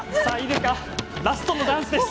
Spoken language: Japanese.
ラストのダンスです。